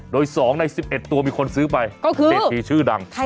โดย๒ใน๑๑ตัวมีคนซื้อไปก็คือเวทีชื่อดัง